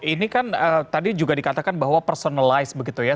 ini kan tadi juga dikatakan bahwa personalize begitu ya